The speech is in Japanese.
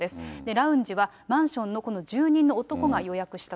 ラウンジはマンションのこの住人の男が予約したと。